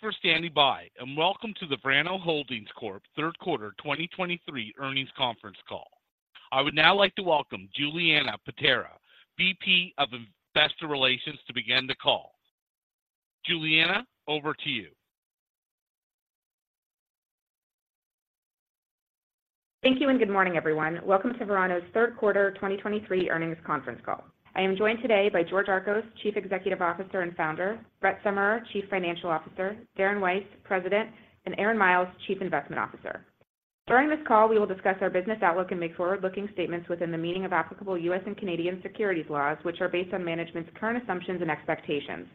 Thank you for standing by, and welcome to the Verano Holdings Corp. third quarter 2023 earnings conference call. I would now like to welcome Julianna Paterra, VP of Investor Relations, to begin the call. Julianna, over to you. Thank you, and good morning, everyone. Welcome to Verano's third quarter 2023 earnings conference call. I am joined today by George Archos, Chief Executive Officer and Founder, Brett Summerer, Chief Financial Officer, Darren Weiss, President, and Aaron Miles, Chief Investment Officer. During this call, we will discuss our business outlook and make forward-looking statements within the meaning of applicable U.S. and Canadian securities laws, which are based on management's current assumptions and expectations.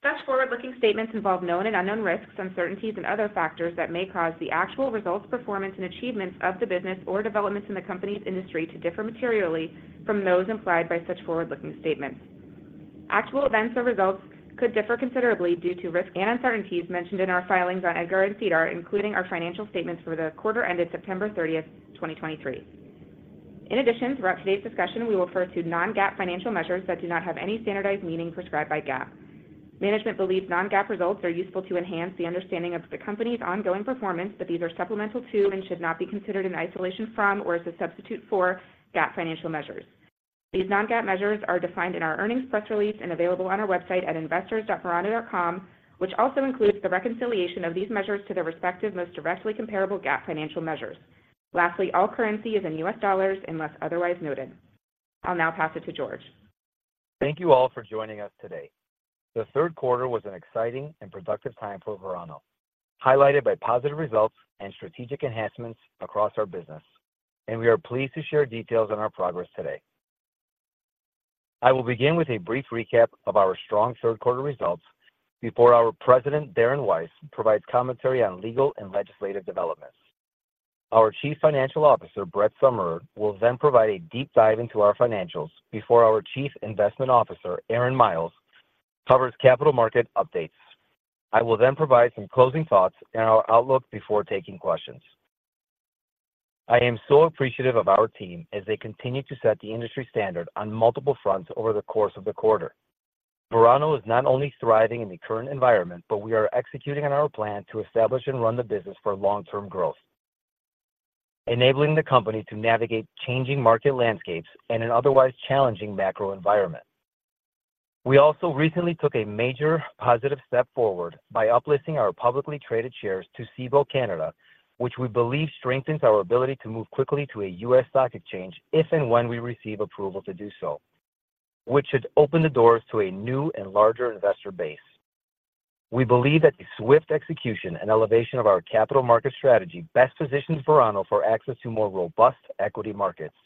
Such forward-looking statements involve known and unknown risks, uncertainties, and other factors that may cause the actual results, performance, and achievements of the business or developments in the company's industry to differ materially from those implied by such forward-looking statements. Actual events or results could differ considerably due to risks and uncertainties mentioned in our filings on EDGAR and SEDAR, including our financial statements for the quarter ended September 30, 2023. In addition, throughout today's discussion, we will refer to non-GAAP financial measures that do not have any standardized meaning prescribed by GAAP. Management believes non-GAAP results are useful to enhance the understanding of the company's ongoing performance, but these are supplemental to and should not be considered in isolation from or as a substitute for GAAP financial measures. These non-GAAP measures are defined in our earnings press release and available on our website at investors.verano.com, which also includes the reconciliation of these measures to their respective most directly comparable GAAP financial measures. Lastly, all currency is in U.S. dollars unless otherwise noted. I'll now pass it to George. Thank you all for joining us today. The third quarter was an exciting and productive time for Verano, highlighted by positive results and strategic enhancements across our business, and we are pleased to share details on our progress today. I will begin with a brief recap of our strong third quarter results before our President, Darren Weiss, provides commentary on legal and legislative developments. Our Chief Financial Officer, Brett Summerer, will then provide a deep dive into our financials before our Chief Investment Officer, Aaron Miles, covers capital market updates. I will then provide some closing thoughts and our outlook before taking questions. I am so appreciative of our team as they continue to set the industry standard on multiple fronts over the course of the quarter. Verano is not only thriving in the current environment, but we are executing on our plan to establish and run the business for long-term growth, enabling the company to navigate changing market landscapes in an otherwise challenging macro environment. We also recently took a major positive step forward by uplisting our publicly traded shares to Cboe Canada, which we believe strengthens our ability to move quickly to a U.S. stock exchange if and when we receive approval to do so, which should open the doors to a new and larger investor base. We believe that the swift execution and elevation of our capital market strategy best positions Verano for access to more robust equity markets,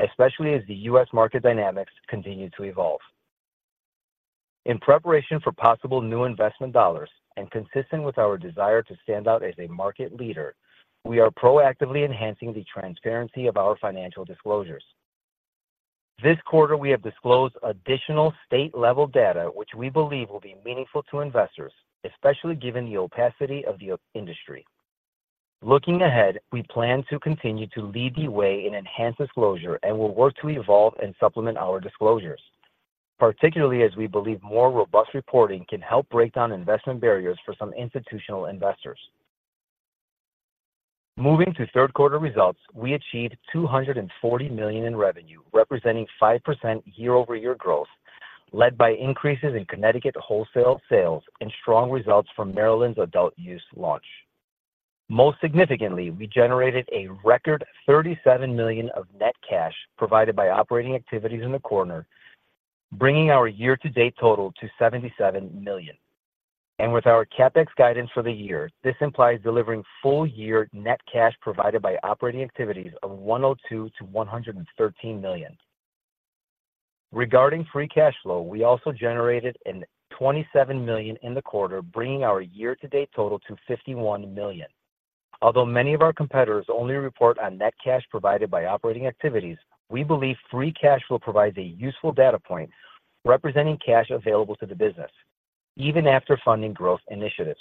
especially as the U.S. market dynamics continue to evolve. In preparation for possible new investment dollars and consistent with our desire to stand out as a market leader, we are proactively enhancing the transparency of our financial disclosures. This quarter, we have disclosed additional state-level data which we believe will be meaningful to investors, especially given the opacity of the industry. Looking ahead, we plan to continue to lead the way in enhanced disclosure and will work to evolve and supplement our disclosures, particularly as we believe more robust reporting can help break down investment barriers for some institutional investors. Moving to third quarter results, we achieved $240 million in revenue, representing 5% year-over-year growth, led by increases in Connecticut wholesale sales and strong results from Maryland's adult-use launch. Most significantly, we generated a record $37 million of net cash provided by operating activities in the quarter, bringing our year-to-date total to $77 million. With our CapEx guidance for the year, this implies delivering full-year net cash provided by operating activities of $102 million-$113 million. Regarding free cash flow, we also generated $27 million in the quarter, bringing our year-to-date total to $51 million. Although many of our competitors only report on net cash provided by operating activities, we believe free cash flow provides a useful data point representing cash available to the business even after funding growth initiatives.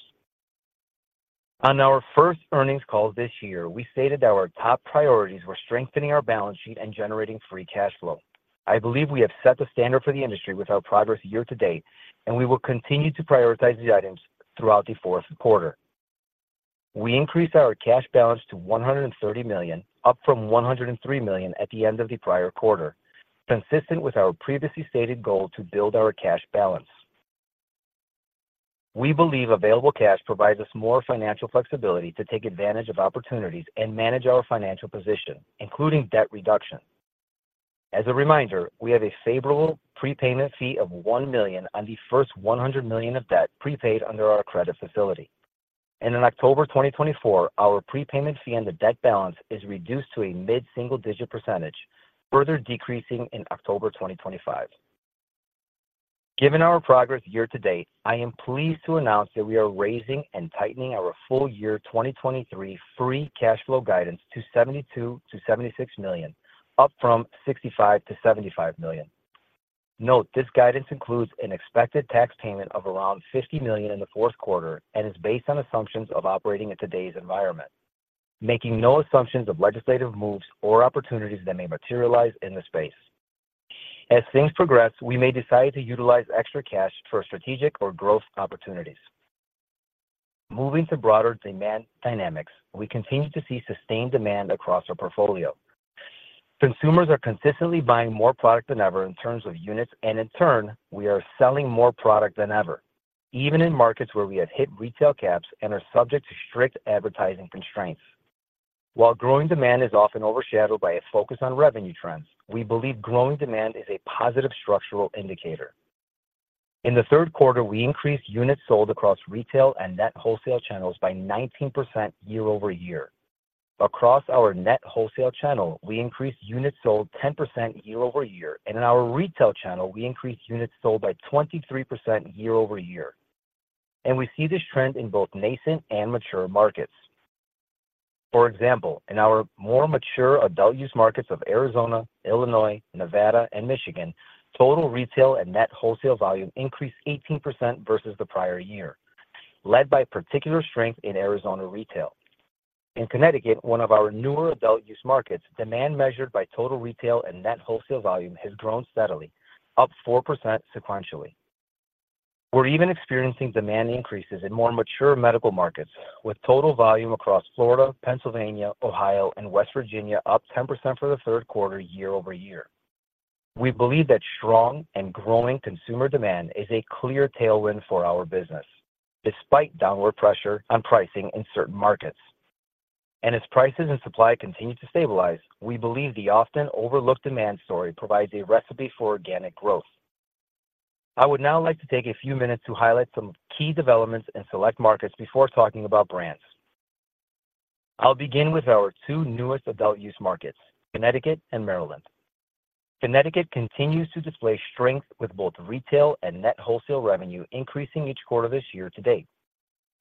On our first earnings call this year, we stated that our top priorities were strengthening our balance sheet and generating free cash flow. I believe we have set the standard for the industry with our progress year to date, and we will continue to prioritize these items throughout the fourth quarter. We increased our cash balance to $130 million, up from $103 million at the end of the prior quarter, consistent with our previously stated goal to build our cash balance. We believe available cash provides us more financial flexibility to take advantage of opportunities and manage our financial position, including debt reduction. As a reminder, we have a favorable prepayment fee of $1 million on the first $100 million of debt prepaid under our credit facility. In October 2024, our prepayment fee on the debt balance is reduced to a mid-single digit percentage, further decreasing in October 2025. Given our progress year to date, I am pleased to announce that we are raising and tightening our full year 2023 free cash flow guidance to $72 million-$76 million, up from $65 million-$75 million. Note, this guidance includes an expected tax payment of around $50 million in the fourth quarter and is based on assumptions of operating in today's environment, making no assumptions of legislative moves or opportunities that may materialize in the space. As things progress, we may decide to utilize extra cash for strategic or growth opportunities. Moving to broader demand dynamics, we continue to see sustained demand across our portfolio. Consumers are consistently buying more product than ever in terms of units, and in turn, we are selling more product than ever, even in markets where we have hit retail caps and are subject to strict advertising constraints. While growing demand is often overshadowed by a focus on revenue trends, we believe growing demand is a positive structural indicator. In the third quarter, we increased units sold across retail and net wholesale channels by 19% year-over-year. Across our net wholesale channel, we increased units sold 10% year-over-year, and in our retail channel, we increased units sold by 23% year-over-year, and we see this trend in both nascent and mature markets. For example, in our more mature adult use markets of Arizona, Illinois, Nevada, and Michigan, total retail and net wholesale volume increased 18% versus the prior year, led by particular strength in Arizona retail. In Connecticut, one of our newer adult use markets, demand measured by total retail and net wholesale volume has grown steadily, up 4% sequentially. We're even experiencing demand increases in more mature medical markets, with total volume across Florida, Pennsylvania, Ohio, and West Virginia, up 10% for the third quarter year-over-year. We believe that strong and growing consumer demand is a clear tailwind for our business, despite downward pressure on pricing in certain markets. As prices and supply continue to stabilize, we believe the often overlooked demand story provides a recipe for organic growth. I would now like to take a few minutes to highlight some key developments in select markets before talking about brands. I'll begin with our two newest adult-use markets, Connecticut and Maryland. Connecticut continues to display strength, with both retail and net wholesale revenue increasing each quarter this year to date.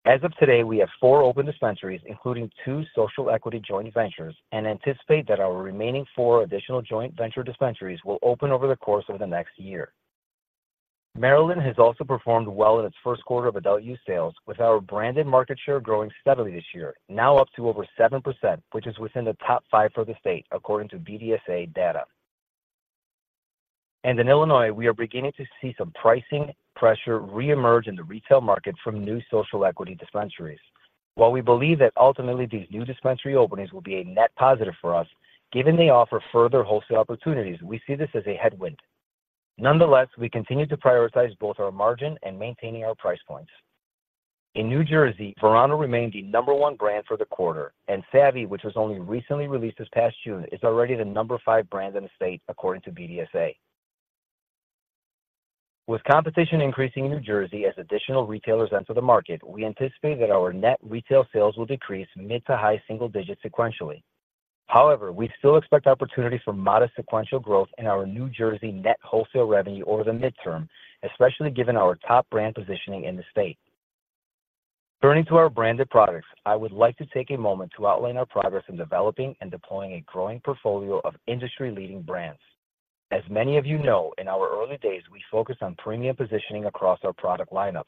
As of today, we have four open dispensaries, including two Social Equity Joint Ventures, and anticipate that our remaining four additional Joint Venture dispensaries will open over the course of the next year. Maryland has also performed well in its first quarter of adult-use sales, with our branded market share growing steadily this year, now up to over 7%, which is within the top five for the state, according to BDSA data. In Illinois, we are beginning to see some pricing pressure reemerge in the retail market from new social equity dispensaries. While we believe that ultimately these new dispensary openings will be a net positive for us, given they offer further wholesale opportunities, we see this as a headwind. Nonetheless, we continue to prioritize both our margin and maintaining our price points. In New Jersey, Verano remained the number one brand for the quarter, and Savvy, which was only recently released this past June, is already the number five brand in the state, according to BDSA. With competition increasing in New Jersey as additional retailers enter the market, we anticipate that our net retail sales will decrease mid to high single digits sequentially. However, we still expect opportunities for modest sequential growth in our New Jersey net wholesale revenue over the midterm, especially given our top brand positioning in the state. Turning to our branded products, I would like to take a moment to outline our progress in developing and deploying a growing portfolio of industry-leading brands. As many of you know, in our early days, we focused on premium positioning across our product lineup,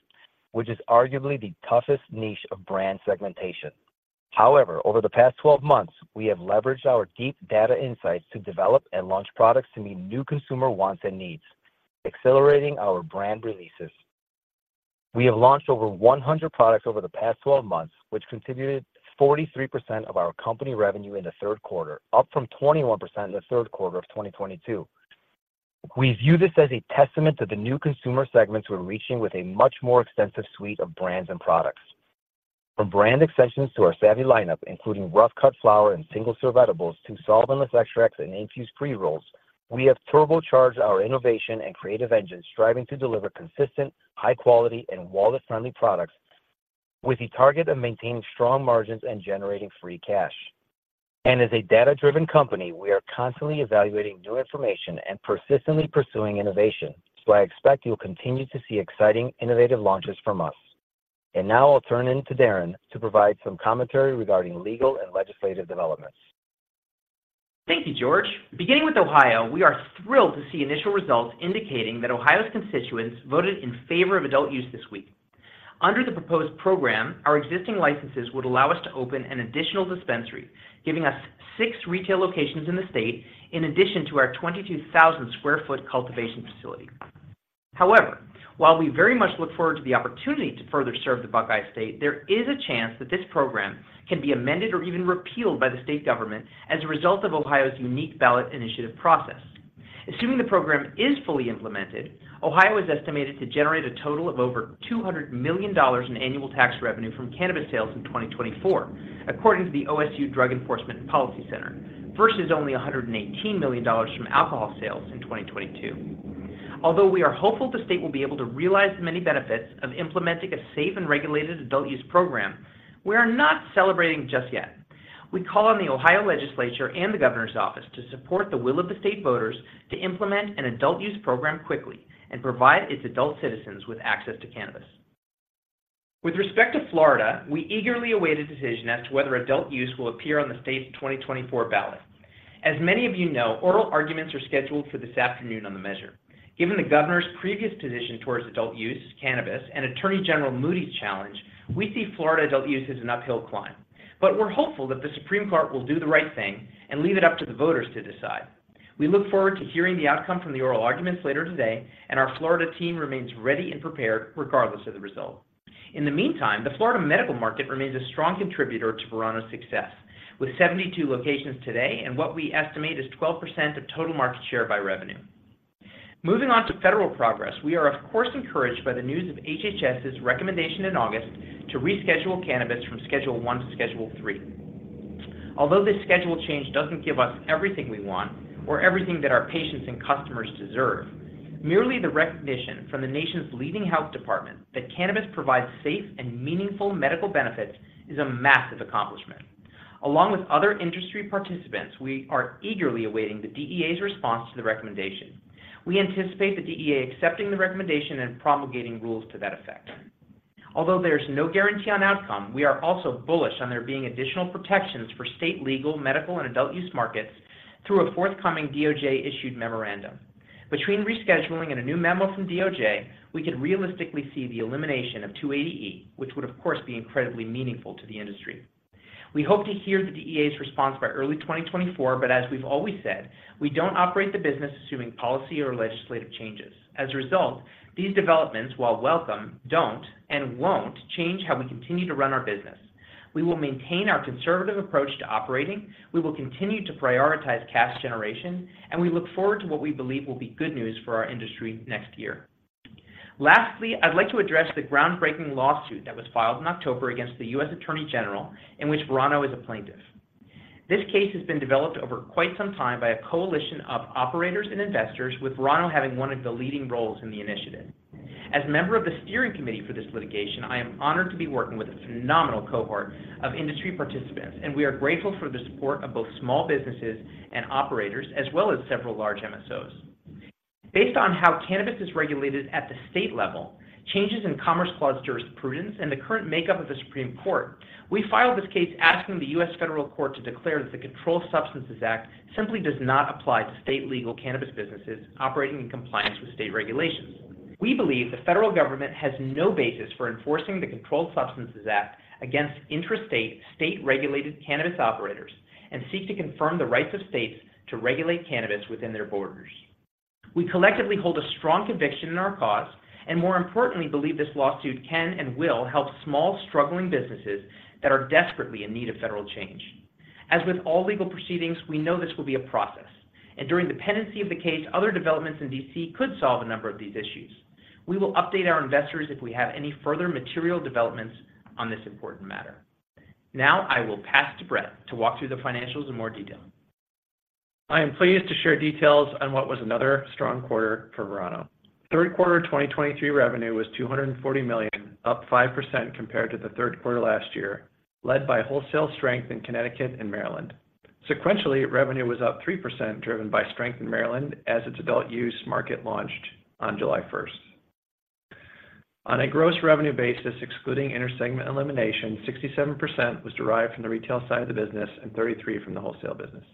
which is arguably the toughest niche of brand segmentation. However, over the past 12 months, we have leveraged our deep data insights to develop and launch products to meet new consumer wants and needs, accelerating our brand releases. We have launched over 100 products over the past 12 months, which contributed 43% of our company revenue in the third quarter, up from 21% in the third quarter of 2022. We view this as a testament to the new consumer segments we're reaching with a much more extensive suite of brands and products. From brand extensions to our Savvy lineup, including rough-cut flower and single-serve edibles to solventless extracts and infused pre-rolls, we have turbocharged our innovation and creative engine, striving to deliver consistent, high quality, and wallet-friendly products with the target of maintaining strong margins and generating free cash. As a data-driven company, we are constantly evaluating new information and persistently pursuing innovation, so I expect you'll continue to see exciting innovative launches from us. Now I'll turn it to Darren to provide some commentary regarding legal and legislative developments. Thank you, George. Beginning with Ohio, we are thrilled to see initial results indicating that Ohio's constituents voted in favor of adult use this week. Under the proposed program, our existing licenses would allow us to open an additional dispensary, giving us six retail locations in the state, in addition to our 22,000 sq ft cultivation facility. However, while we very much look forward to the opportunity to further serve the Buckeye State, there is a chance that this program can be amended or even repealed by the state government as a result of Ohio's unique ballot initiative process. Assuming the program is fully implemented, Ohio is estimated to generate a total of over $200 million in annual tax revenue from cannabis sales in 2024, according to the OSU Drug Enforcement and Policy Center, versus only $118 million from alcohol sales in 2022. Although we are hopeful the state will be able to realize the many benefits of implementing a safe and regulated adult use program, we are not celebrating just yet. We call on the Ohio Legislature and the Governor's office to support the will of the state voters to implement an adult use program quickly and provide its adult citizens with access to cannabis. With respect to Florida, we eagerly await a decision as to whether adult use will appear on the state's 2024 ballot. As many of you know, oral arguments are scheduled for this afternoon on the measure. Given the governor's previous position towards adult use, cannabis, and Attorney General Moody's challenge, we see Florida adult use as an uphill climb. But we're hopeful that the Supreme Court will do the right thing and leave it up to the voters to decide. We look forward to hearing the outcome from the oral arguments later today, and our Florida team remains ready and prepared regardless of the result. In the meantime, the Florida medical market remains a strong contributor to Verano's success, with 72 locations today and what we estimate is 12% of total market share by revenue. Moving on to federal progress, we are, of course, encouraged by the news of HHS's recommendation in August to reschedule cannabis from Schedule I to Schedule III. Although this schedule change doesn't give us everything we want, or everything that our patients and customers deserve, merely the recognition from the nation's leading health department that cannabis provides safe and meaningful medical benefits is a massive accomplishment. Along with other industry participants, we are eagerly awaiting the DEA's response to the recommendation. We anticipate the DEA accepting the recommendation and promulgating rules to that effect. Although there's no guarantee on outcome, we are also bullish on there being additional protections for state legal, medical, and adult use markets through a forthcoming DOJ-issued memorandum. Between rescheduling and a new memo from DOJ, we could realistically see the elimination of 280E, which would, of course, be incredibly meaningful to the industry. We hope to hear the DEA's response by early 2024, but as we've always said, we don't operate the business assuming policy or legislative changes. As a result, these developments, while welcome, don't and won't change how we continue to run our business. We will maintain our conservative approach to operating, we will continue to prioritize cash generation, and we look forward to what we believe will be good news for our industry next year. Lastly, I'd like to address the groundbreaking lawsuit that was filed in October against the U.S. Attorney General, in which Verano is a plaintiff. This case has been developed over quite some time by a coalition of operators and investors, with Verano having one of the leading roles in the initiative. As a member of the steering committee for this litigation, I am honored to be working with a phenomenal cohort of industry participants, and we are grateful for the support of both small businesses and operators, as well as several large MSOs. Based on how cannabis is regulated at the state level, changes in Commerce Clause jurisprudence, and the current makeup of the Supreme Court, we filed this case asking the U.S. Federal Court to declare that the Controlled Substances Act simply does not apply to state legal cannabis businesses operating in compliance with state regulations. We believe the federal government has no basis for enforcing the Controlled Substances Act against intrastate, state-regulated cannabis operators, and seek to confirm the rights of states to regulate cannabis within their borders. We collectively hold a strong conviction in our cause, and more importantly, believe this lawsuit can and will help small, struggling businesses that are desperately in need of federal change. As with all legal proceedings, we know this will be a process, and during the pendency of the case, other developments in D.C. could solve a number of these issues. We will update our investors if we have any further material developments on this important matter. Now, I will pass to Brett to walk through the financials in more detail. I am pleased to share details on what was another strong quarter for Verano. Third quarter 2023 revenue was $240 million, up 5% compared to the third quarter last year, led by wholesale strength in Connecticut and Maryland. Sequentially, revenue was up 3%, driven by strength in Maryland as its adult use market launched on July 1st. On a gross revenue basis, excluding intersegment elimination, 67% was derived from the retail side of the business and 33% from the wholesale business.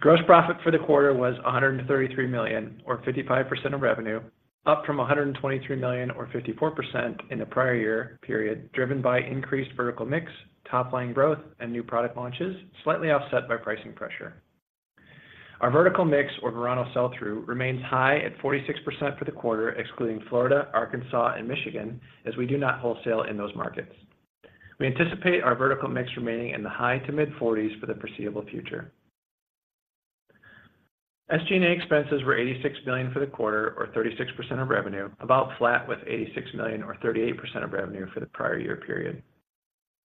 Gross profit for the quarter was $133 million, or 55% of revenue, up from $123 million, or 54% in the prior year period, driven by increased vertical mix, top-line growth, and new product launches, slightly offset by pricing pressure. Our vertical mix, or Verano sell-through, remains high at 46% for the quarter, excluding Florida, Arkansas, and Michigan, as we do not wholesale in those markets. We anticipate our vertical mix remaining in the high- to mid-40s for the foreseeable future. SG&A expenses were $86 million for the quarter, or 36% of revenue, about flat with $86 million or 38% of revenue for the prior year period.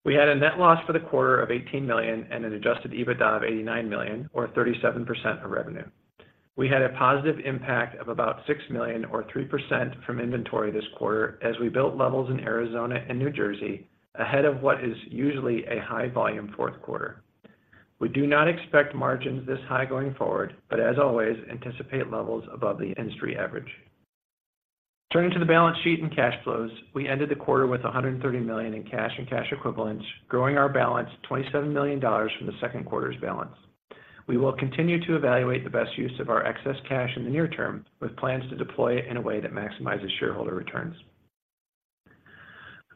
We had a net loss for the quarter of $18 million and an adjusted EBITDA of $89 million, or 37% of revenue. We had a positive impact of about $6 million, or 3%, from inventory this quarter, as we built levels in Arizona and New Jersey ahead of what is usually a high-volume fourth quarter. We do not expect margins this high going forward, but as always, anticipate levels above the industry average. Turning to the balance sheet and cash flows, we ended the quarter with $130 million in cash and cash equivalents, growing our balance $27 million from the second quarter's balance. We will continue to evaluate the best use of our excess cash in the near term, with plans to deploy it in a way that maximizes shareholder returns.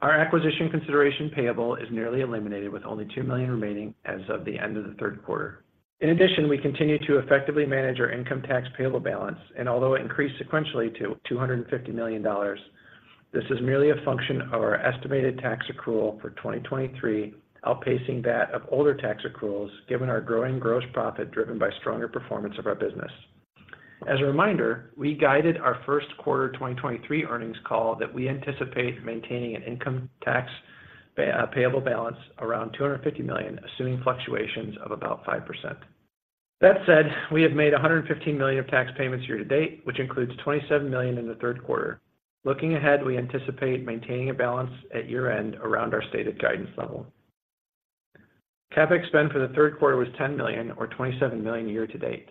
Our acquisition consideration payable is nearly eliminated, with only $2 million remaining as of the end of the third quarter. In addition, we continue to effectively manage our income tax payable balance, and although it increased sequentially to $250 million, this is merely a function of our estimated tax accrual for 2023, outpacing that of older tax accruals, given our growing gross profit, driven by stronger performance of our business. As a reminder, we guided our first quarter 2023 earnings call that we anticipate maintaining an income tax payable balance around $250 million, assuming fluctuations of about 5%. That said, we have made $115 million of tax payments year-to-date, which includes $27 million in the third quarter. Looking ahead, we anticipate maintaining a balance at year-end around our stated guidance level. CapEx spend for the third quarter was $10 million, or $27 million year-to-date.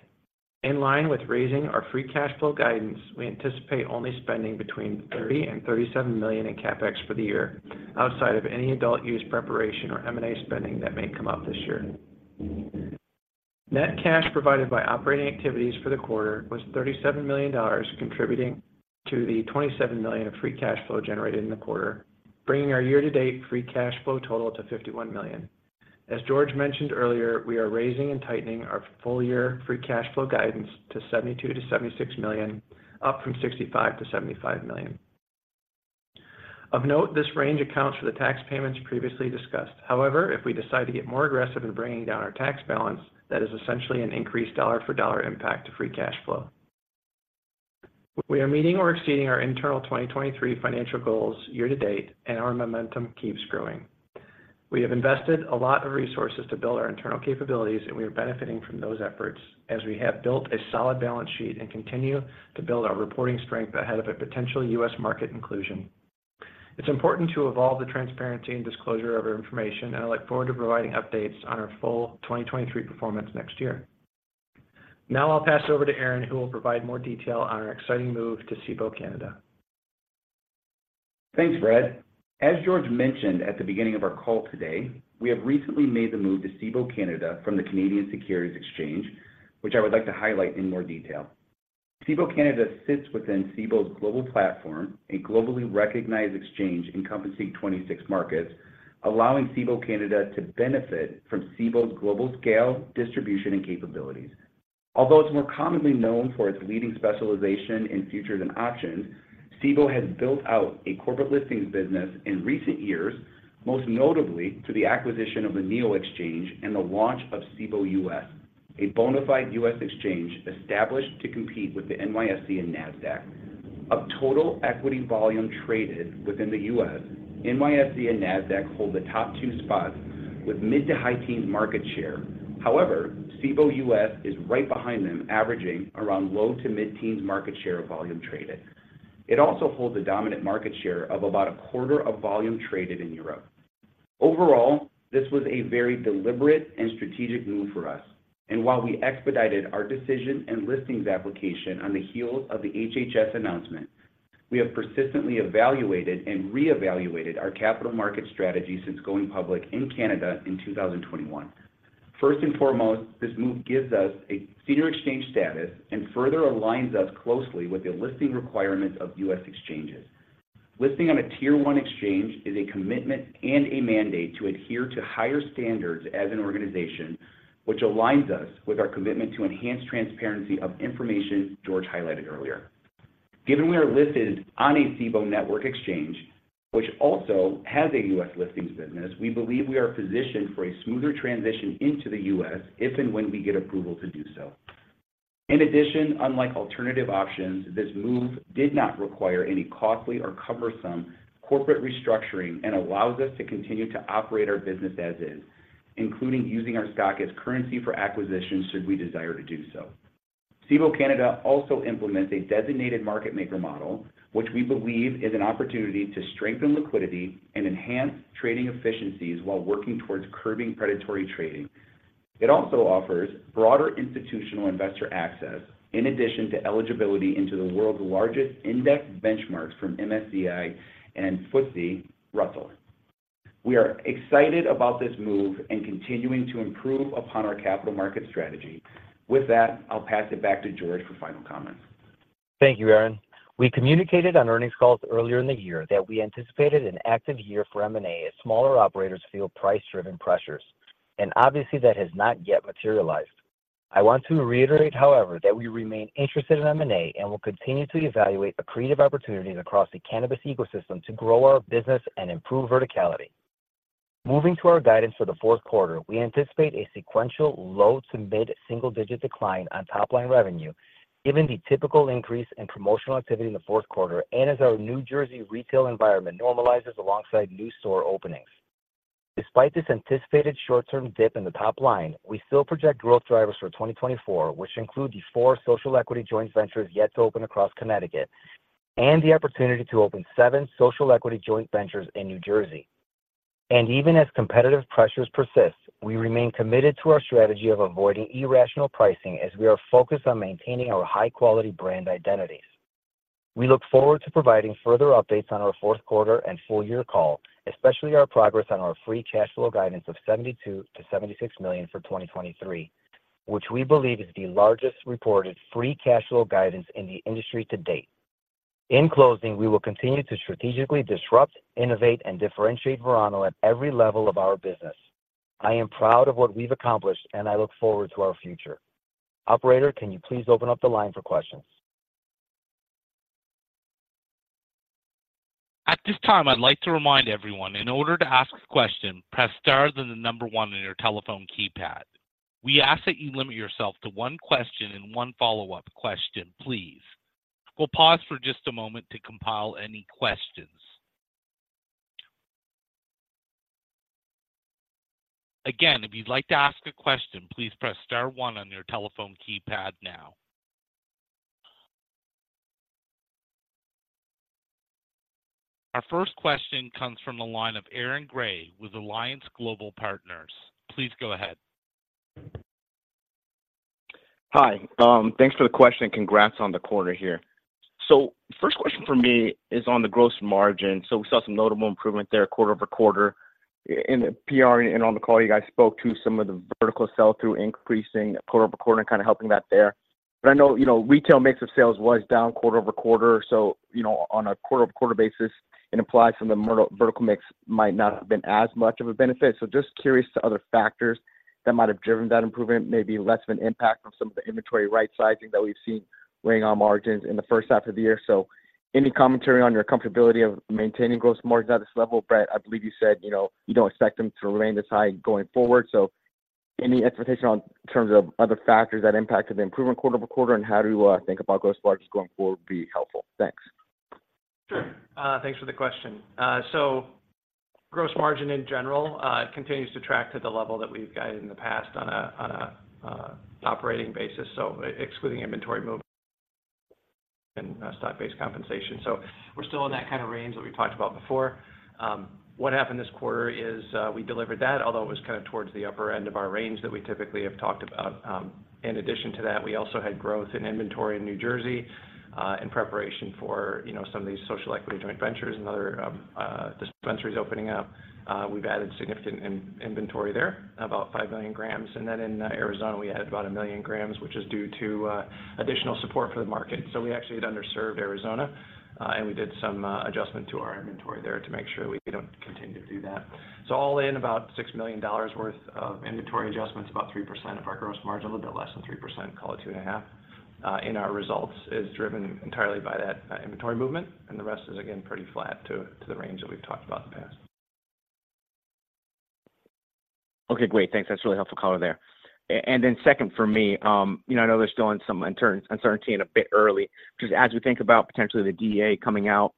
In line with raising our free cash flow guidance, we anticipate only spending between $30 million-$37 million in CapEx for the year, outside of any adult use preparation or M&A spending that may come up this year. Net cash provided by operating activities for the quarter was $37 million, contributing to the $27 million of free cash flow generated in the quarter, bringing our year-to-date free cash flow total to $51 million. As George mentioned earlier, we are raising and tightening our full-year free cash flow guidance to $72 million-$76 million, up from $65 million-$75 million. Of note, this range accounts for the tax payments previously discussed. However, if we decide to get more aggressive in bringing down our tax balance, that is essentially an increased dollar-for-dollar impact to free cash flow. We are meeting or exceeding our internal 2023 financial goals year-to-date, and our momentum keeps growing. We have invested a lot of resources to build our internal capabilities, and we are benefiting from those efforts as we have built a solid balance sheet and continue to build our reporting strength ahead of a potential US market inclusion. It's important to evolve the transparency and disclosure of our information, and I look forward to providing updates on our full 2023 performance next year. Now I'll pass it over to Aaron, who will provide more detail on our exciting move to Cboe Canada. Thanks, Brett. As George mentioned at the beginning of our call today, we have recently made the move to Cboe Canada from the Canadian Securities Exchange, which I would like to highlight in more detail. Cboe Canada sits within Cboe's global platform, a globally recognized exchange encompassing 26 markets, allowing Cboe Canada to benefit from Cboe's global scale, distribution, and capabilities. Although it's more commonly known for its leading specialization in futures and options, Cboe has built out a corporate listings business in recent years, most notably through the acquisition of the NEO Exchange and the launch of Cboe US, a bona fide U.S. exchange established to compete with the NYSE and Nasdaq. Of total equity volume traded within the U.S., NYSE and Nasdaq hold the top two spots with mid to high teens market share. However, Cboe US is right behind them, averaging around low- to mid-teens market share of volume traded. It also holds a dominant market share of about a quarter of volume traded in Europe. Overall, this was a very deliberate and strategic move for us, and while we expedited our decision and listings application on the heels of the HHS announcement, we have persistently evaluated and reevaluated our capital market strategy since going public in Canada in 2021. First and foremost, this move gives us a senior exchange status and further aligns us closely with the listing requirements of U.S. exchanges. Listing on a Tier One exchange is a commitment and a mandate to adhere to higher standards as an organization, which aligns us with our commitment to enhanced transparency of information George highlighted earlier. Given we are listed on a Cboe network exchange, which also has a U.S. listings business, we believe we are positioned for a smoother transition into the U.S. if and when we get approval to do so. In addition, unlike alternative options, this move did not require any costly or cumbersome corporate restructuring and allows us to continue to operate our business as is, including using our stock as currency for acquisitions, should we desire to do so. Cboe Canada also implements a designated market maker model, which we believe is an opportunity to strengthen liquidity and enhance trading efficiencies while working towards curbing predatory trading. It also offers broader institutional investor access, in addition to eligibility into the world's largest index benchmarks from MSCI and FTSE Russell. We are excited about this move and continuing to improve upon our capital market strategy. With that, I'll pass it back to George for final comments. Thank you, Aaron. We communicated on earnings calls earlier in the year that we anticipated an active year for M&A as smaller operators feel price-driven pressures, and obviously, that has not yet materialized. I want to reiterate, however, that we remain interested in M&A and will continue to evaluate accretive opportunities across the cannabis ecosystem to grow our business and improve verticality. Moving to our guidance for the fourth quarter, we anticipate a sequential low to mid-single-digit decline on top-line revenue, given the typical increase in promotional activity in the fourth quarter and as our New Jersey retail environment normalizes alongside new store openings. Despite this anticipated short-term dip in the top line, we still project growth drivers for 2024, which include the four social equity joint ventures yet to open across Connecticut and the opportunity to open seven social equity joint ventures in New Jersey. Even as competitive pressures persist, we remain committed to our strategy of avoiding irrational pricing as we are focused on maintaining our high-quality brand identities. We look forward to providing further updates on our fourth quarter and full-year call, especially our progress on our free cash flow guidance of $72 million-$76 million for 2023, which we believe is the largest reported free cash flow guidance in the industry to date. In closing, we will continue to strategically disrupt, innovate, and differentiate Verano at every level of our business. I am proud of what we've accomplished, and I look forward to our future. Operator, can you please open up the line for questions? At this time, I'd like to remind everyone, in order to ask a question, press star, then the number one on your telephone keypad. We ask that you limit yourself to one question and one follow-up question, please. We'll pause for just a moment to compile any questions. Again, if you'd like to ask a question, please press star one on your telephone keypad now. Our first question comes from the line of Aaron Gray with Alliance Global Partners. Please go ahead. Hi, thanks for the question, and congrats on the quarter here. So first question for me is on the gross margin. So we saw some notable improvement there quarter-over-quarter. In the PR and on the call, you guys spoke to some of the vertical sell-through increasing quarter-over-quarter, and kind of helping that there. But I know, you know, retail mix of sales was down quarter-over-quarter, so, you know, on a quarter-over-quarter basis, it applies from the vertical mix might not have been as much of a benefit. So just curious to other factors that might have driven that improvement, maybe less of an impact from some of the inventory right-sizing that we've seen weighing on margins in the first half of the year. So any commentary on your comfortability of maintaining gross margins at this level? Brett, I believe you said, you know, you don't expect them to remain this high going forward. So any expectation on, in terms of other factors that impacted the improvement quarter over quarter, and how do you think about gross margins going forward would be helpful. Thanks. Sure. Thanks for the question. So gross margin, in general, continues to track to the level that we've guided in the past on an operating basis, so excluding inventory movement and stock-based compensation. So we're still in that kind of range that we talked about before. What happened this quarter is we delivered that, although it was kind of towards the upper end of our range that we typically have talked about. In addition to that, we also had growth in inventory in New Jersey in preparation for, you know, some of these Social Equity Joint Ventures and other dispensaries opening up. We've added significant inventory there, about 5 million grams. And then in Arizona, we added about 1 million grams, which is due to additional support for the market. So we actually had underserved Arizona, and we did some adjustment to our inventory there to make sure we don't continue to do that. So all in about $6 million worth of inventory adjustments, about 3% of our gross margin, a little bit less than 3%, call it 2.5%, in our results, is driven entirely by that inventory movement, and the rest is, again, pretty flat to the range that we've talked about in the past. Okay, great. Thanks. That's a really helpful color there. And then second for me, you know, I know there's still some uncertainty and a bit early, because as we think about potentially the DEA coming out,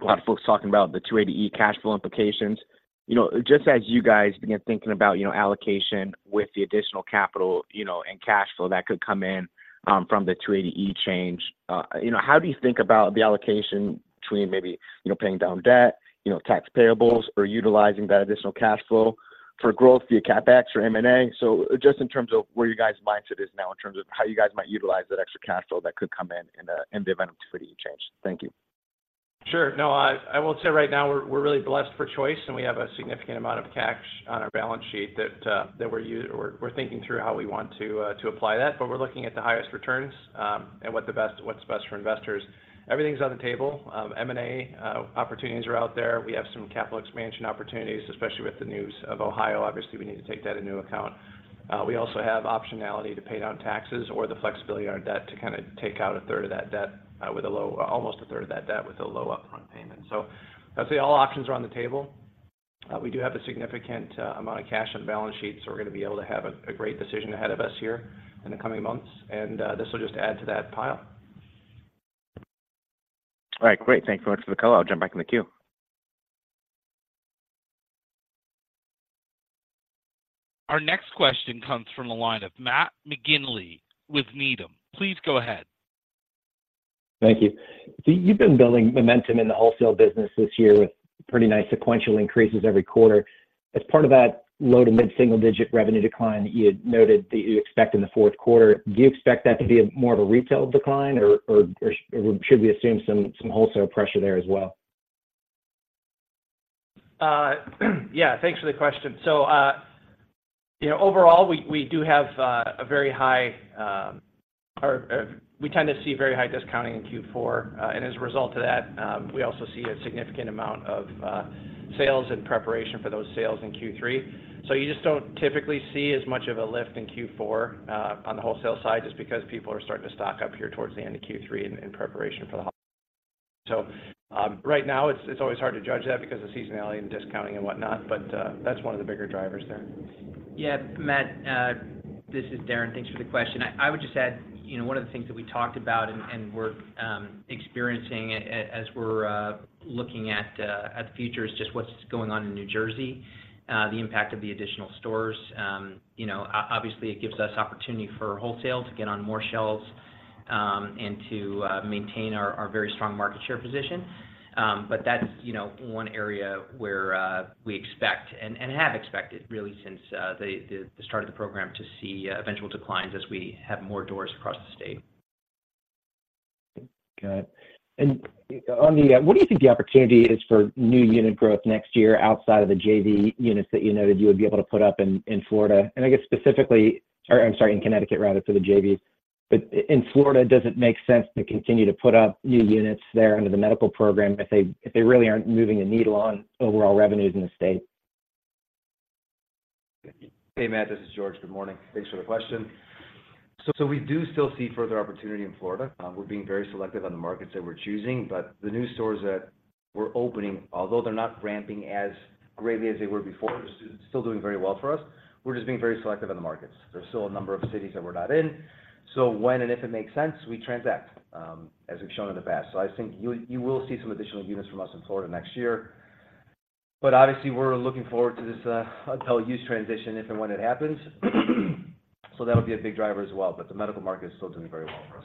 a lot of folks talking about the 280E cash flow implications. You know, just as you guys begin thinking about, you know, allocation with the additional capital, you know, and cash flow that could come in, from the 280E change, you know, how do you think about the allocation between maybe, you know, paying down debt, you know, tax payables, or utilizing that additional cash flow for growth via CapEx or M&A? So just in terms of where you guys' mindset is now, in terms of how you guys might utilize that extra cash flow that could come in, in the event of 280E change. Thank you. Sure. No, I will say right now, we're really blessed for choice, and we have a significant amount of cash on our balance sheet that we're thinking through how we want to apply that, but we're looking at the highest returns, and what's best for investors. Everything's on the table. M&A opportunities are out there. We have some capital expansion opportunities, especially with the news of Ohio. Obviously, we need to take that into account. We also have optionality to pay down taxes or the flexibility on our debt to kind of take out a third of that debt with a low... Almost a third of that debt with a low upfront payment. So I'd say all options are on the table. We do have a significant amount of cash on the balance sheet, so we're gonna be able to have a great decision ahead of us here in the coming months, and this will just add to that pile. All right, great. Thanks so much for the call. I'll jump back in the queue. Our next question comes from the line of Matt McGinley with Needham. Please go ahead. Thank you. So you've been building momentum in the wholesale business this year with pretty nice sequential increases every quarter. As part of that low-to-mid-single-digit revenue decline that you had noted that you expect in the fourth quarter, do you expect that to be more of a retail decline, or should we assume some wholesale pressure there as well? Yeah, thanks for the question. So, you know, overall, we tend to see very high discounting in Q4. And as a result of that, we also see a significant amount of sales in preparation for those sales in Q3. So you just don't typically see as much of a lift in Q4 on the wholesale side, just because people are starting to stock up here towards the end of Q3 in preparation for the holiday. So, right now, it's always hard to judge that because of seasonality and discounting and whatnot, but that's one of the bigger drivers there. Yeah, Matt, this is Darren. Thanks for the question. I would just add, you know, one of the things that we talked about and we're experiencing as we're looking at the future, is just what's going on in New Jersey, the impact of the additional stores. You know, obviously, it gives us opportunity for wholesale to get on more shelves, and to maintain our very strong market share position. But that's, you know, one area where we expect, and have expected, really, since the start of the program, to see eventual declines as we have more doors across the state. Got it. And on the, What do you think the opportunity is for new unit growth next year outside of the JV units that you noted you would be able to put up in, in Florida? And I guess specifically- or I'm sorry, in Connecticut, rather, for the JV. But in Florida, does it make sense to continue to put up new units there under the medical program if they, if they really aren't moving the needle on overall revenues in the state? Hey, Matt, this is George. Good morning. Thanks for the question. So, so we do still see further opportunity in Florida. We're being very selective on the markets that we're choosing, but the new stores that we're opening, although they're not ramping as greatly as they were before, still doing very well for us. We're just being very selective on the markets. There's still a number of cities that we're not in, so when and if it makes sense, we transact, as we've shown in the past. So I think you, you will see some additional units from us in Florida next year, but obviously, we're looking forward to this, adult-use transition, if and when it happens. So that'll be a big driver as well, but the medical market is still doing very well for us.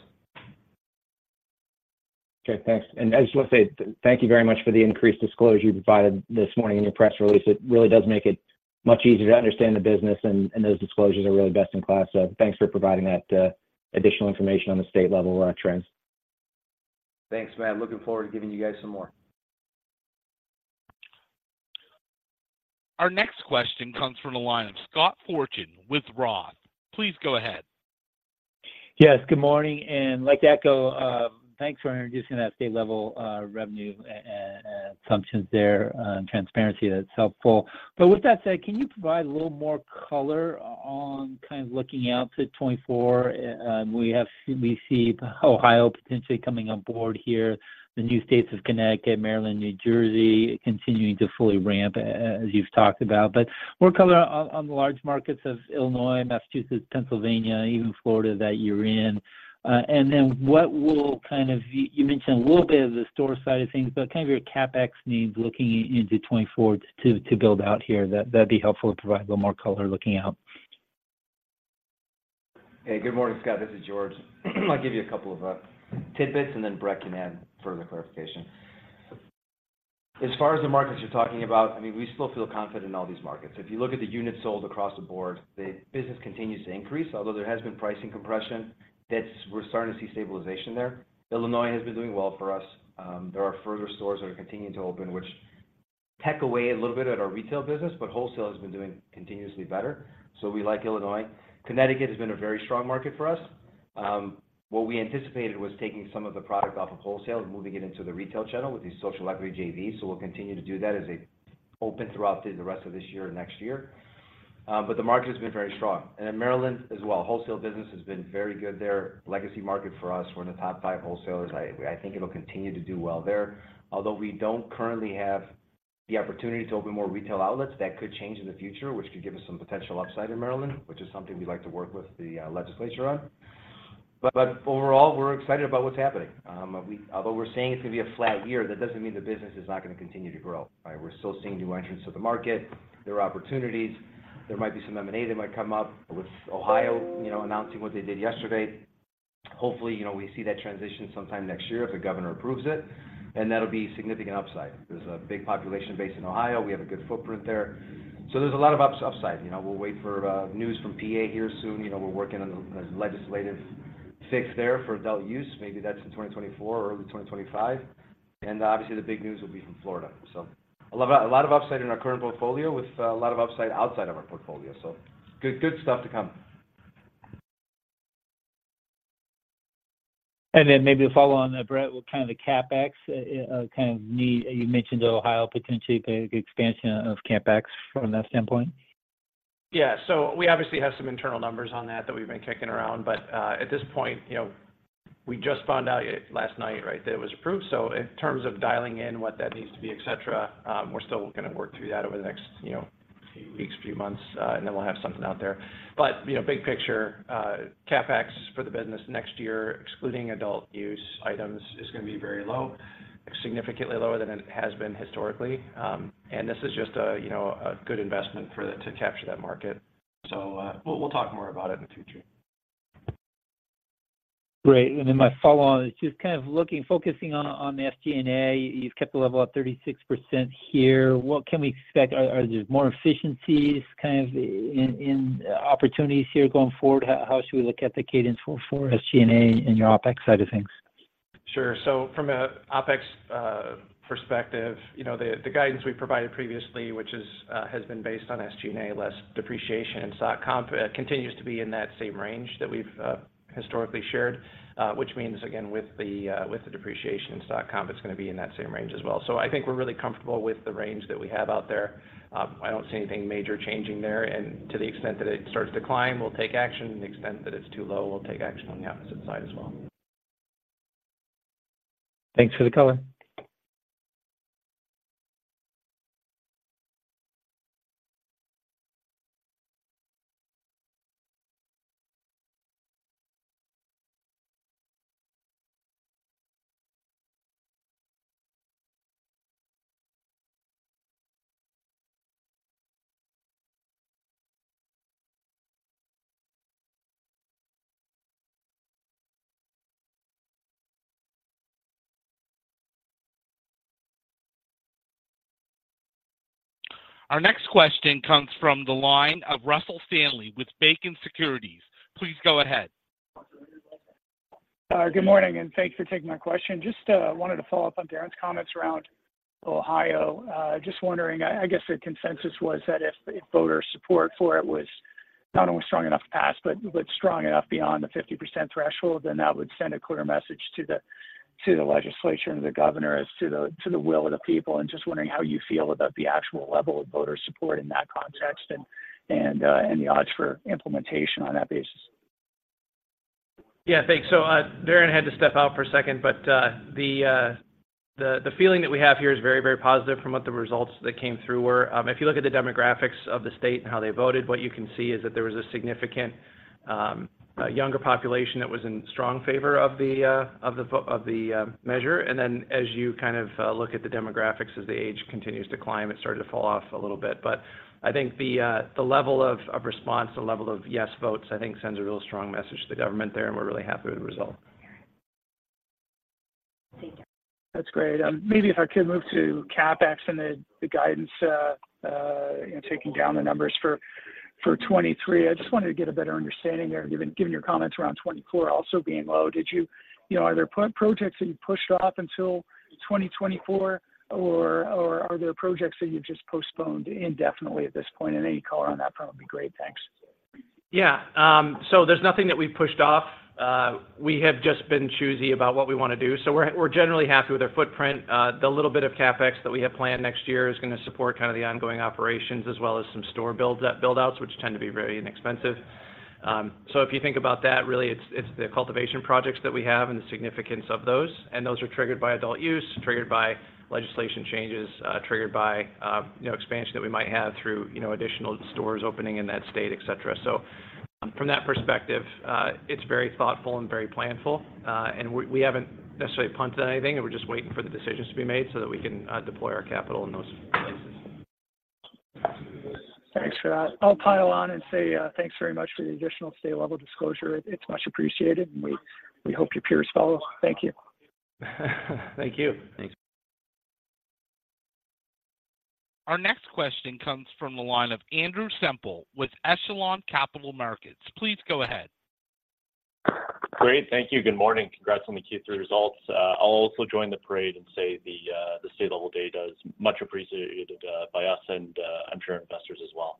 Okay, thanks. And I just want to say, thank you very much for the increased disclosure you provided this morning in your press release. It really does make it much easier to understand the business, and, and those disclosures are really best in class. So thanks for providing that, additional information on the state-level, trends. Thanks, Matt. Looking forward to giving you guys some more. Our next question comes from the line of Scott Fortune with Roth. Please go ahead. Yes, good morning, and I'd like to echo thanks for introducing that state-level revenue assumptions there, and transparency. That's helpful. But with that said, can you provide a little more color on kind of looking out to 2024? We have, we see Ohio potentially coming on board here, the new states of Connecticut, Maryland, New Jersey, continuing to fully ramp, as you've talked about. But more color on the large markets of Illinois, Massachusetts, Pennsylvania, even Florida, that you're in. And then, what will kind of... You mentioned a little bit of the store side of things, but kind of your CapEx needs looking into 2024 to build out here. That'd be helpful to provide a little more color looking out. Hey, good morning, Scott. This is George. I'll give you a couple of tidbits, and then Brett can add further clarification. As far as the markets you're talking about, I mean, we still feel confident in all these markets. If you look at the units sold across the board, the business continues to increase. Although there has been pricing compression, that's- we're starting to see stabilization there. Illinois has been doing well for us. There are further stores that are continuing to open, which peck away a little bit at our retail business, but wholesale has been doing continuously better, so we like Illinois. Connecticut has been a very strong market for us. What we anticipated was taking some of the product off of wholesale and moving it into the retail channel with the Social Equity JV, so we'll continue to do that as they open throughout the rest of this year and next year. But the market has been very strong. And in Maryland as well, wholesale business has been very good there. Legacy market for us, we're in the top five wholesalers. I think it'll continue to do well there. Although we don't currently have the opportunity to open more retail outlets, that could change in the future, which could give us some potential upside in Maryland, which is something we'd like to work with the legislature on. But overall, we're excited about what's happening. Although we're saying it's going to be a flat year, that doesn't mean the business is not going to continue to grow, right? We're still seeing new entrants to the market. There are opportunities. There might be some M&A that might come up with Ohio, you know, announcing what they did yesterday. Hopefully, you know, we see that transition sometime next year, if the governor approves it, and that'll be significant upside. There's a big population base in Ohio. We have a good footprint there, so there's a lot of upside. You know, we'll wait for news from PA here soon. You know, we're working on a legislative fix there for adult use. Maybe that's in 2024 or early 2025, and obviously, the big news will be from Florida. So a lot of, a lot of upside in our current portfolio, with a lot of upside outside of our portfolio. So good, good stuff to come. Then maybe to follow on that, Brett, what kind of the CapEx kind of need? You mentioned Ohio, potentially the expansion of CapEx from that standpoint. Yeah, so we obviously have some internal numbers on that, that we've been kicking around, but at this point, you know, we just found out last night, right, that it was approved. So in terms of dialing in what that needs to be, et cetera, we're still gonna work through that over the next, you know, few weeks, few months, and then we'll have something out there. But, you know, big picture, CapEx for the business next year, excluding adult use items, is gonna be very low, significantly lower than it has been historically. And this is just a, you know, a good investment for the- to capture that market. So, we'll talk more about it in the future. Great. And then my follow on is just kind of looking, focusing on the SG&A. You've kept the level at 36% here. What can we expect? Are there more efficiencies kind of in opportunities here going forward? How should we look at the cadence for SG&A and your OpEx side of things? Sure. So from a OpEx perspective, you know, the guidance we provided previously, which has been based on SG&A less depreciation and stock comp, continues to be in that same range that we've historically shared. Which means, again, with the depreciation in stock comp, it's gonna be in that same range as well. So I think we're really comfortable with the range that we have out there. I don't see anything major changing there, and to the extent that it starts to climb, we'll take action. To the extent that it's too low, we'll take action on the opposite side as well. Thanks for the color. Our next question comes from the line of Russell Stanley with Beacon Securities. Please go ahead. Good morning, and thanks for taking my question. Just wanted to follow up on Darren's comments around Ohio. Just wondering, I guess the consensus was that if voter support for it was not only strong enough to pass, but strong enough beyond the 50% threshold, then that would send a clear message to the legislature and the governor as to the will of the people. And just wondering how you feel about the actual level of voter support in that context and the odds for implementation on that basis. Yeah, thanks. So, Darren had to step out for a second, but the feeling that we have here is very, very positive from what the results that came through were. If you look at the demographics of the state and how they voted, what you can see is that there was a significant younger population that was in strong favor of the measure. And then, as you kind of look at the demographics, as the age continues to climb, it started to fall off a little bit. But I think the level of response, the level of yes votes, I think, sends a real strong message to the government there, and we're really happy with the result. That's great. Maybe if I could move to CapEx and the guidance, you know, taking down the numbers for 2023. I just wanted to get a better understanding there, given your comments around 2024 also being low. Did you? You know, are there projects that you pushed off until 2024, or are there projects that you've just postponed indefinitely at this point? And any color on that front would be great. Thanks. Yeah. So there's nothing that we've pushed off. We have just been choosy about what we want to do. So we're generally happy with our footprint. The little bit of CapEx that we have planned next year is going to support kind of the ongoing operations, as well as some store build-outs, which tend to be very inexpensive. So if you think about that, really, it's the cultivation projects that we have and the significance of those, and those are triggered by adult use, triggered by legislation changes, triggered by, you know, expansion that we might have through, you know, additional stores opening in that state, et cetera. So from that perspective, it's very thoughtful and very planful, and we haven't necessarily punted on anything. We're just waiting for the decisions to be made so that we can deploy our capital in those places. Thanks for that. I'll pile on and say, thanks very much for the additional state-level disclosure. It's much appreciated, and we hope your peers follow. Thank you. Thank you. Thanks. Our next question comes from the line of Andrew Semple with Echelon Capital Markets. Please go ahead. Great. Thank you. Good morning. Congrats on the Q3 results. I'll also join the parade and say the state-level data is much appreciated by us and I'm sure investors as well.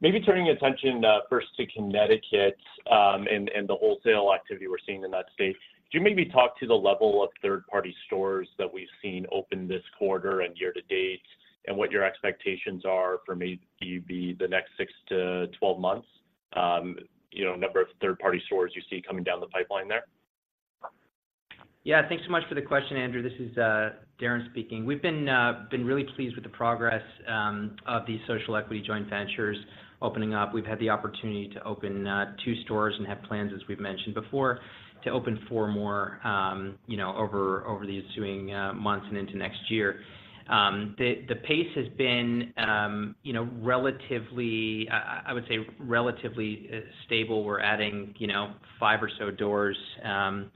Maybe turning your attention first to Connecticut and the wholesale activity we're seeing in that state. Could you maybe talk to the level of third-party stores that we've seen open this quarter and year to date, and what your expectations are for maybe the next six months-12 months? You know, number of third-party stores you see coming down the pipeline there. Yeah. Thanks so much for the question, Andrew. This is Darren speaking. We've been really pleased with the progress of these social equity joint ventures opening up. We've had the opportunity to open two stores and have plans, as we've mentioned before, to open four more, you know, over these ensuing months and into next year. The pace has been, you know, relatively, I would say relatively stable. We're adding, you know, five or so doors on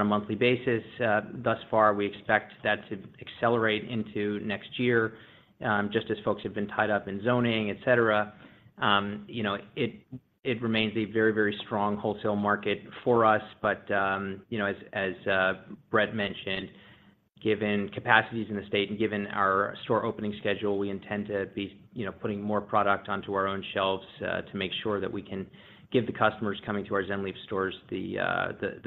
a monthly basis. Thus far, we expect that to accelerate into next year, just as folks have been tied up in zoning, et cetera. You know, it remains a very, very strong wholesale market for us. But, you know, as Brett mentioned, given capacities in the state and given our store opening schedule, we intend to be, you know, putting more product onto our own shelves, to make sure that we can give the customers coming to our Zen Leaf stores the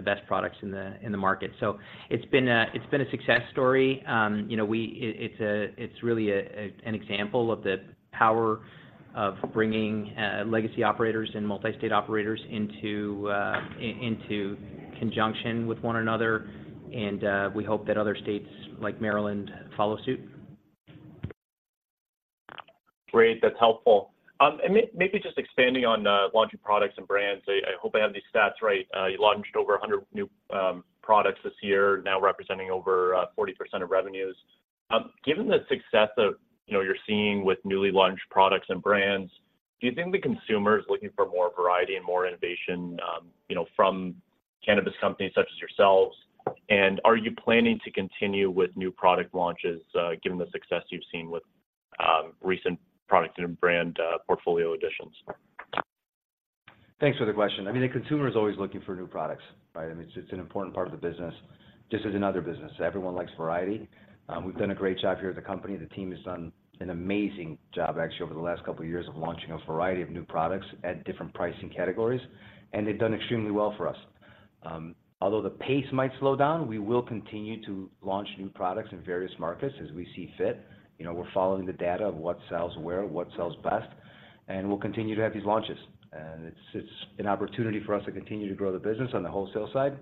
best products in the market. So it's been a success story. You know, it's really an example of the power of bringing legacy operators and multi-state operators into conjunction with one another, and we hope that other states, like Maryland, follow suit. Great, that's helpful. Maybe just expanding on launching products and brands. I hope I have these stats right. You launched over 100 new products this year, now representing over 40% of revenues. Given the success that, you know, you're seeing with newly launched products and brands, do you think the consumer is looking for more variety and more innovation, you know, from cannabis companies such as yourselves? And are you planning to continue with new product launches, given the success you've seen with recent product and brand portfolio additions? Thanks for the question. I mean, the consumer is always looking for new products, right? I mean, it's an important part of the business, just as another business. Everyone likes variety. We've done a great job here at the company. The team has done an amazing job, actually, over the last couple of years of launching a variety of new products at different pricing categories, and they've done extremely well for us. Although the pace might slow down, we will continue to launch new products in various markets as we see fit. You know, we're following the data of what sells where, what sells best, and we'll continue to have these launches. And it's an opportunity for us to continue to grow the business on the wholesale side.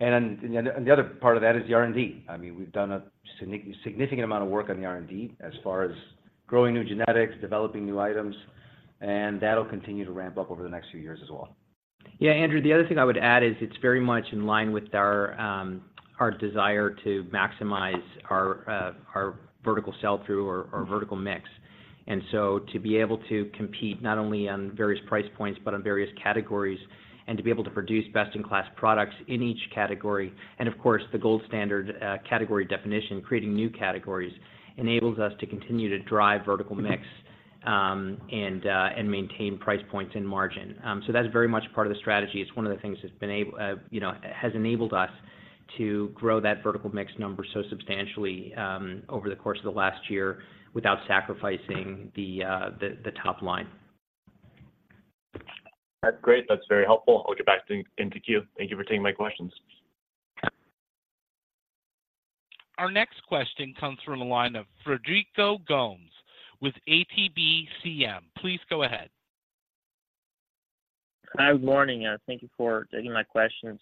And then, the other part of that is the R&D. I mean, we've done a significant amount of work on the R&D as far as growing new genetics, developing new items, and that'll continue to ramp up over the next few years as well. Yeah, Andrew, the other thing I would add is it's very much in line with our desire to maximize our vertical sell-through or vertical mix. And so to be able to compete not only on various price points, but on various categories, and to be able to produce best-in-class products in each category, and of course, the gold standard category definition, creating new categories, enables us to continue to drive vertical mix and maintain price points and margin. So that's very much part of the strategy. It's one of the things that's been, you know, has enabled us to grow that vertical mix number so substantially over the course of the last year, without sacrificing the top line. That's great. That's very helpful. I'll get back to, into queue. Thank you for taking my questions. Our next question comes from the line of Frederico Gomes with ATBCM. Please go ahead. Good morning, and thank you for taking my questions.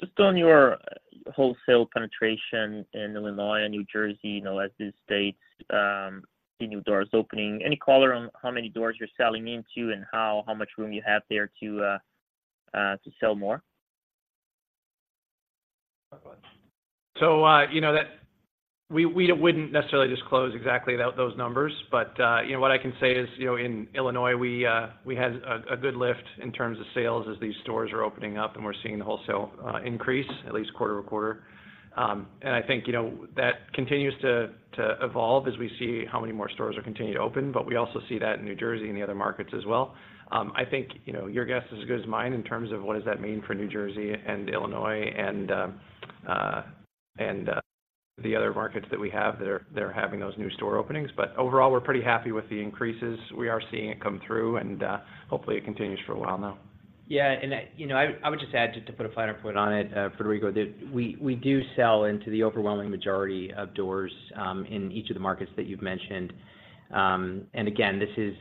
Just on your wholesale penetration in Illinois and New Jersey, you know, as these states see new doors opening, any color on how many doors you're selling into and how much room you have there to sell more? So, you know, that we wouldn't necessarily disclose exactly those numbers, but you know, what I can say is, you know, in Illinois, we had a good lift in terms of sales as these stores are opening up, and we're seeing the wholesale increase at least quarter-over-quarter. And I think, you know, that continues to evolve as we see how many more stores are continuing to open, but we also see that in New Jersey and the other markets as well. I think, you know, your guess is as good as mine in terms of what does that mean for New Jersey and Illinois and the other markets that we have that are having those new store openings? But overall, we're pretty happy with the increases. We are seeing it come through, and hopefully, it continues for a while now. Yeah, and, you know, I, I would just add, just to put a finer point on it, Frederico, that we, we do sell into the overwhelming majority of doors, in each of the markets that you've mentioned. And again, this is,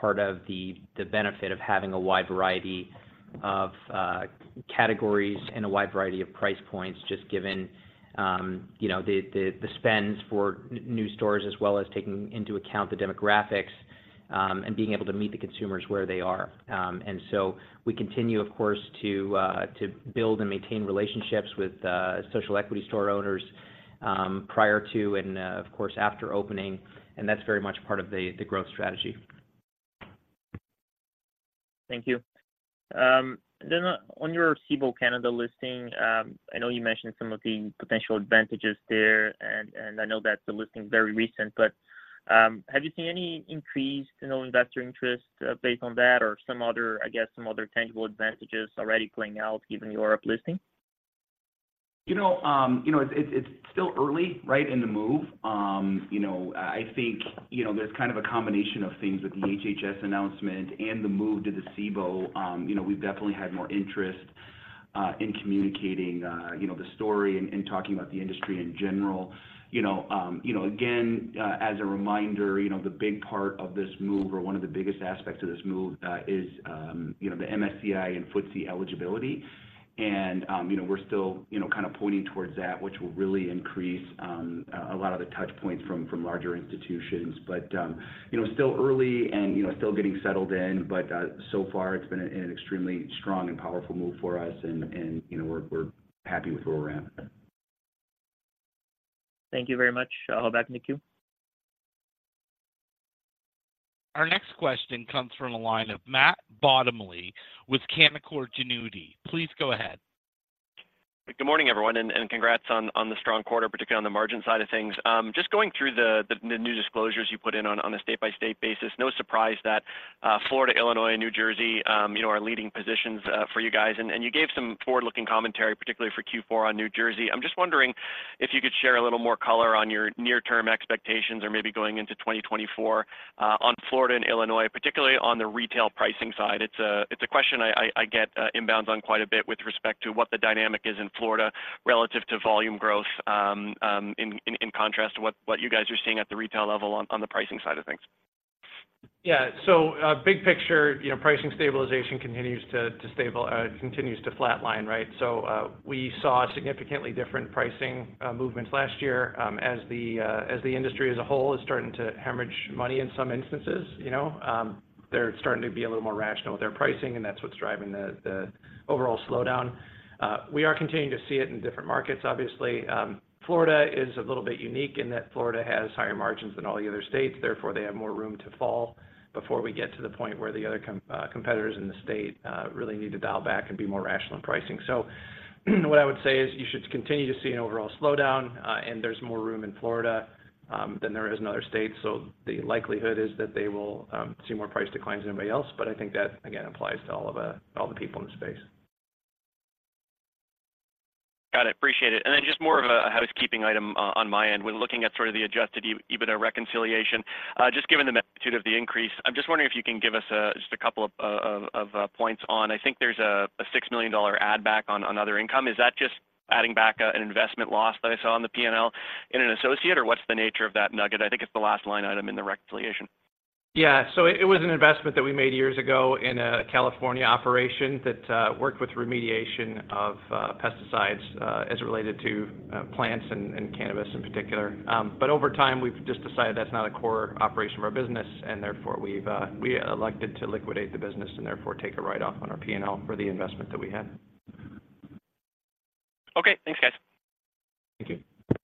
part of the, the benefit of having a wide variety of, categories and a wide variety of price points, just given, you know, the, the, the spends for new stores, as well as taking into account the demographics, and being able to meet the consumers where they are. And so we continue, of course, to, to build and maintain relationships with, social equity store owners, prior to and, of course, after opening, and that's very much part of the, the growth strategy. Thank you. Then on your Cboe Canada listing, I know you mentioned some of the potential advantages there, and I know that the listing is very recent, but, have you seen any increased, you know, investor interest, based on that or some other, I guess, some other tangible advantages already playing out, given your uplisting? You know, you know, it's still early, right, in the move. You know, I think, you know, there's kind of a combination of things with the HHS announcement and the move to the CBOE. You know, we've definitely had more interest in communicating, you know, the story and talking about the industry in general. You know, again, as a reminder, you know, the big part of this move or one of the biggest aspects of this move is, you know, the MSCI and FTSE eligibility. And, you know, we're still, you know, kind of pointing towards that, which will really increase a lot of the touchpoints from larger institutions. But, you know, still early and, you know, still getting settled in, but so far, it's been an extremely strong and powerful move for us, and you know, we're happy with where we're at. Thank you very much. I'll head back to the queue. Our next question comes from the line of Matt Bottomley with Canaccord Genuity. Please go ahead. Good morning, everyone, and congrats on the strong quarter, particularly on the margin side of things. Just going through the new disclosures you put in on a state-by-state basis, no surprise that Florida, Illinois, and New Jersey, you know, are leading positions for you guys. And you gave some forward-looking commentary, particularly for Q4 on New Jersey. I'm just wondering if you could share a little more color on your near-term expectations or maybe going into 2024 on Florida and Illinois, particularly on the retail pricing side. It's a question I get inbounds on quite a bit with respect to what the dynamic is in Florida relative to volume growth, in contrast to what you guys are seeing at the retail level on the pricing side of things. Yeah. So, big picture, you know, pricing stabilization continues to flatline, right? So, we saw significantly different pricing movements last year, as the industry as a whole is starting to hemorrhage money in some instances, you know? They're starting to be a little more rational with their pricing, and that's what's driving the overall slowdown. We are continuing to see it in different markets. Obviously, Florida is a little bit unique in that Florida has higher margins than all the other states. Therefore, they have more room to fall before we get to the point where the other competitors in the state really need to dial back and be more rational in pricing. What I would say is you should continue to see an overall slowdown, and there's more room in Florida than there is in other states. The likelihood is that they will see more price declines than anybody else, but I think that, again, applies to all of the people in the space. Got it. Appreciate it. And then just more of a housekeeping item on my end. When looking at sort of the Adjusted EBITDA reconciliation, just given the magnitude of the increase, I'm just wondering if you can give us a couple of points on... I think there's a $6 million add back on other income. Is that just adding back an investment loss that I saw on the P&L in an associate, or what's the nature of that nugget? I think it's the last line item in the reconciliation. Yeah. So it was an investment that we made years ago in a California operation that worked with remediation of pesticides as it related to plants and cannabis in particular. But over time, we've just decided that's not a core operation of our business, and therefore, we've elected to liquidate the business and therefore, take a write-off on our P&L for the investment that we had. Okay. Thanks, guys. Thank you.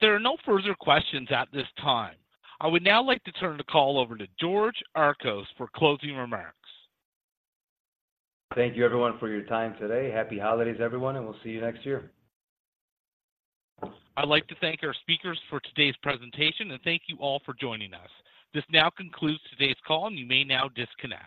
There are no further questions at this time. I would now like to turn the call over to George Archos for closing remarks. Thank you, everyone, for your time today. Happy holidays, everyone, and we'll see you next year. I'd like to thank our speakers for today's presentation, and thank you all for joining us. This now concludes today's call, and you may now disconnect.